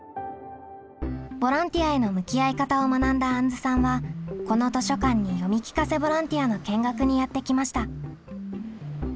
ボランティアへの向き合い方を学んだあんずさんはこの図書館に読み聞かせボランティアの見学にやって来ました。